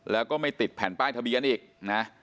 แล้วก็ไม่ติดแผ่นป้ายทะเบียนอีกนะ